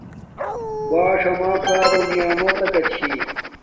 باݽ اما کارو ایکہ نعمت تکا چھی